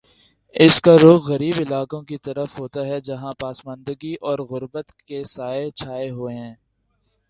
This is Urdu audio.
اس کا رخ غریب علاقوں کی طرف ہوتا ہے، جہاں پسماندگی اور غربت کے سائے چھائے ہیں۔